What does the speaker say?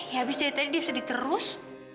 ya abis dari tadi dia sedih terus